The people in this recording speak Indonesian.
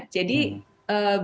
jadi bisa jadi